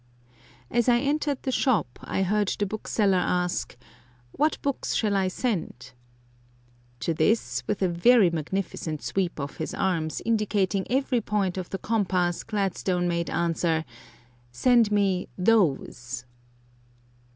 As I entered the shop I heard the bookseller ask: "What books shall I send?" To this, with a very magnificent sweep of his arms indicating every point of the compass, Gladstone made answer: "Send me THOSE!"